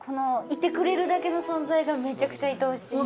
いてくれるだけの存在がめちゃくちゃいとおしい。